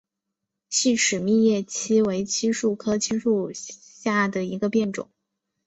细齿密叶槭为槭树科槭属下的一个变种。